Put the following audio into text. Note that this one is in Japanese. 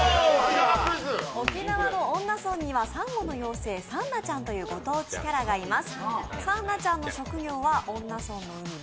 沖縄の恩納村にはサンゴの妖精Ｓｕｎｎａちゃんというご当地キャラがいます。